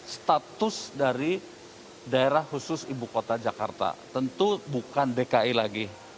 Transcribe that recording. status dari daerah khusus ibu kota jakarta tentu bukan dki lagi